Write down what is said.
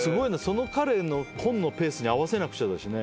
その彼の本のペースに合わせなくちゃだしね。